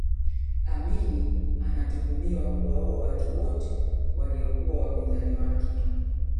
amini anatuhumiwa kuwaua watu wote waliyokuwa wapinzani wake